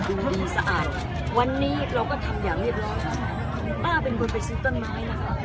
ไม่สะอาดวันนี้เราก็ทำอย่างเรียบร้อยป้าเป็นคนไปซื้อต้นไม้นะคะ